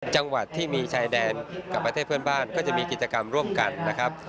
จังหวัดที่มีชายแดนกับประเทศเพื่อนบ้านก็จะมีกิจกรรมร่วมกันนะครับ